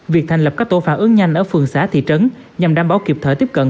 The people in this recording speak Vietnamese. việc thành lập các tổ phản ứng nhanh ở phường xã thị trấn nhằm đảm bảo kịp thời tiếp cận